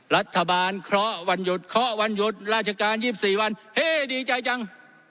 รัฐบาลเคราะห์วันหยุดเคาะวันหยุดราชการ๒๔วันเฮ่ดีใจจัง